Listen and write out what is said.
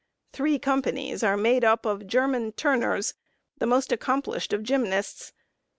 Three companies are made up of German Turners the most accomplished of gymnasts.